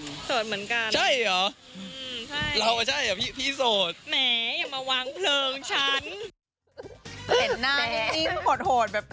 พี่โสดเหมือนกันใช่เหรอเราก็ใช่เหรอพี่โสด